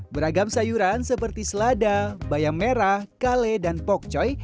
beragam sayuran seperti selada bayam merah kale dan pokcoi